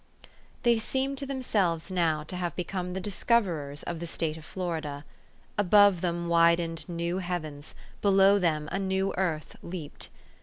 THEY seemed to themselves now to have become the discoverers of the State of Florida. Above them widened new heavens ; below them a new earth leaped.